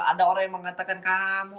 ada orang yang mengatakan kamu